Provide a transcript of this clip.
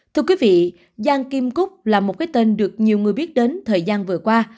thưa quý vị giang kim cúc là một cái tên được nhiều người biết đến thời gian vừa qua